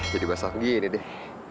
jadi basah gini deh